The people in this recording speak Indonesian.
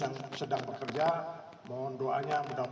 yang sedang bekerja